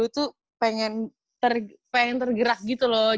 tuh pengen tergerak gitu loh